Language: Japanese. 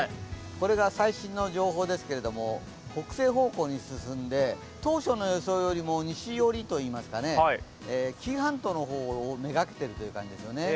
これが最新の情報ですけれども、北西方向に進んで当初の予想よりも西寄りといいますか、紀伊半島の方をめがけてる感じですよね。